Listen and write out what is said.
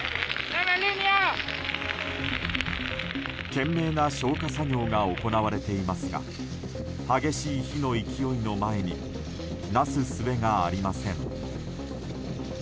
懸命な消火作業が行われていますが激しい火の勢いの前になすすべがありません。